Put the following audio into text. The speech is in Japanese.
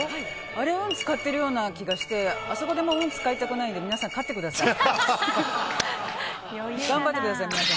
あれで運を使ってるような気がしてあそこで運を使いたくないので皆さん、勝ってください。